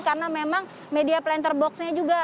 karena memang media planter boxnya juga